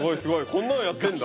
こんなのやってんだ。